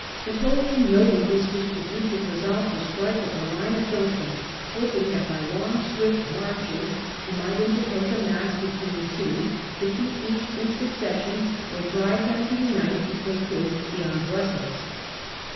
Napoleon, noting this distribution, resolved to strike at the line of junction, hoping that by long swift marches he might interpose a mass between the two, defeat each in succession, or drive them to unite if they could beyond Brussels.